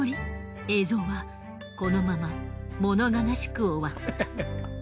映像はこのまま物悲しく終わった。